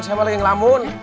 siapa lagi yang ngelamun